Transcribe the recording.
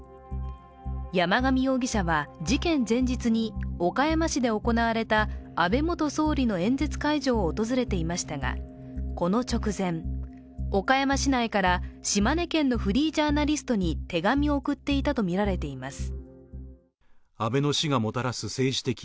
山上容疑者は、事件前日に岡山市で行われた安倍元総理の演説会場を訪れていましたが、この直前、岡山市内から島根県のフリージャーナリストに手紙を送っていたとみられています。